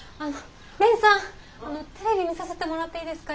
蓮さんテレビ見させてもらっていいですか？